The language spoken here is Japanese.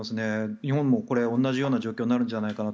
日本も同じような状況になるんじゃないかなって。